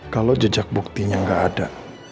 kalo jejak buktinya gak ada